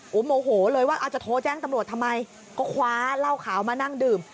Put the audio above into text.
ผมโมโหเลยว่าเอาจะโทรแจ้งตำรวจทำไมก็คว้าเหล้าขาวมานั่งดื่ม